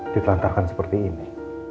ditelantarkan seperti ini